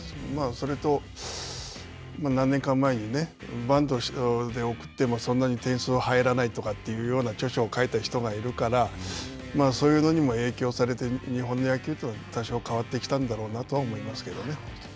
それと、何年か前に、バントで送っても、そんなに点数は入らないとかというような著書を書いた人がいるから、そういうのにも影響されて、日本の野球も多少変わってきたんだろうなとは思いますけどね。